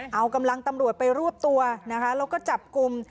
เอากำลังตำรวจไปรวบตัวนะคะแล้วก็จับกลุ่ม